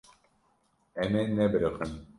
Em ê nebiriqin.